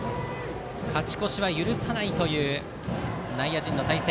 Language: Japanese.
勝ち越しは許さないという内野陣の態勢。